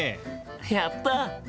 やった！